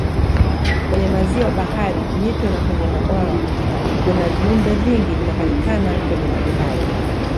Kwenye maziwa bahari mito na kwenye mabwawa kuna viumbe vingi vinapatikana kwenye maji hayo